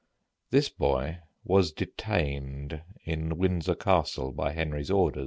This boy was detained in Windsor Castle by Henry's orders.